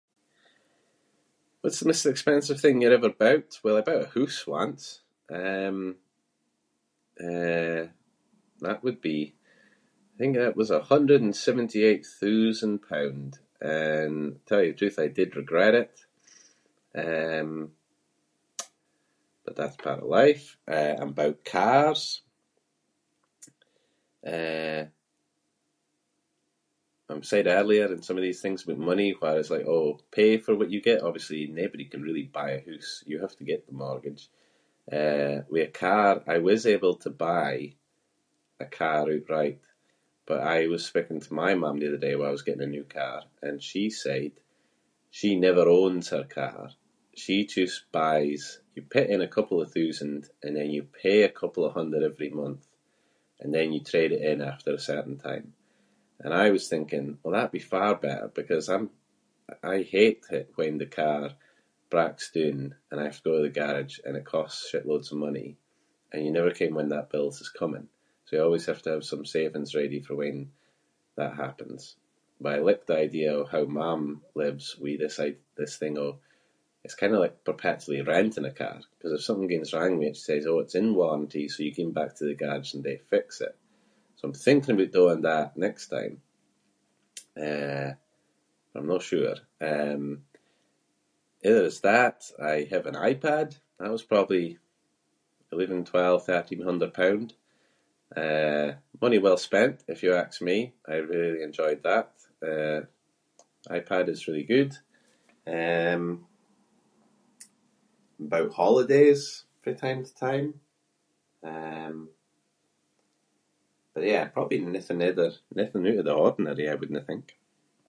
"What’s the maist expensive thing you’re ever bought? Well, I bought a hoose once. Um, eh, that would be- I think that was a hundred and seventy eight thoosand pound and tell you the truth I did regret it. Um but that’s part of life. Eh, I’m bought cars. Eh, I’m said earlier in some of these things aboot money where I was like ""oh pay for what you get"". Obviously, nobody can really buy a hoose. You have to get the mortgage. Eh, with a car- I was able to buy a car ootright but I was speaking to my mam the other day while I was getting a new car and she said she never owns her car. She just buys- you put in a couple of thoosand and then you pay a couple of hundred every month and then you trade it in after a certain time. And I was thinking, well that would be far better ‘cause I hate it when the car breaks doon and I have to go the garage and it costs shit loads of money and you never ken when that bills is coming, so you always have to have some savings ready for when that happens. But I like the idea of how mam lives with this i- this thing of- it’s kind of like perpetually renting a car ‘cause if something gings wrong with it she says “oh it’s in warranty, you ging back to the garage and they fix it”, so I’m thinking aboot doing that next time, eh, but I’m no sure. Um, other as that I have an iPad. That was probably eleven, twelve, thirteen hundred pound. Eh, money well-spent if you ask me. I really enjoyed that. Eh, iPad is really good. Um, I'm bought holidays fae time to time. Um but probably nothing other- nothing oot of the ordinary I wouldnae think."